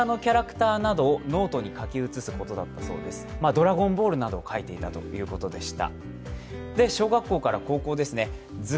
「ドラゴンボール」などを描いていたということでした。